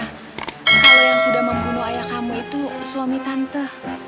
kalau yang sudah membunuh ayah kamu itu suami tante